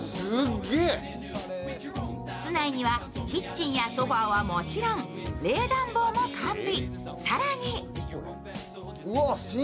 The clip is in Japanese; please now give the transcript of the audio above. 室内にはキッチンやソファーはもちろん冷暖房も完備。